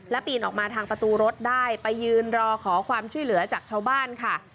และปีนออกมาทางประตูรถได้ไปยืนรอขอความช่วยเหลือจากชาวบ้านค่ะ